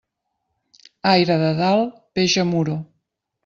Aire de dalt, peix a Muro.